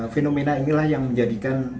fenomena inilah yang menjadikan